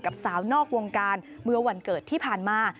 กับสาวนอกวงการเมื่อวันเกิดที่ผ่านมา